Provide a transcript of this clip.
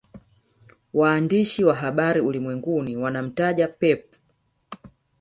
Waandishi wa habari ulimwenguni wanamtaja Pep